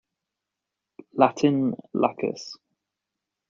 Latin "lacus".